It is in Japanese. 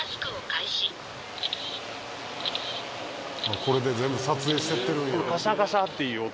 これで全部撮影してってるんや。